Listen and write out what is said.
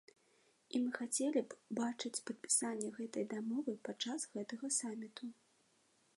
І мы хацелі б бачыць падпісанне гэтай дамовы падчас гэтага саміту.